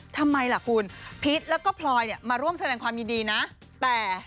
ทำไมล่ะคุณพีชแล้วก็พลอยเนี่ยมาร่วมแสดงความยินดีนะแต่